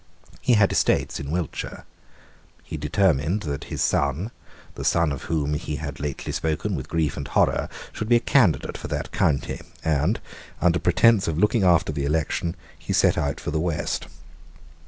He had estates in Wiltshire. He determined that his son, the son of whom he had lately spoken with grief and horror, should be a candidate for that county; and, under pretence of looking after the election, he set out for the West.